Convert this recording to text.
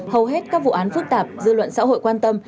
hầu hết các vụ án phức tạp dư luận xã hội quan tâm